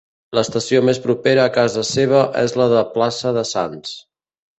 L'estació més propera a casa seva és la de plaça de Sants.